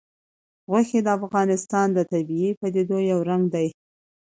غوښې د افغانستان د طبیعي پدیدو یو رنګ دی.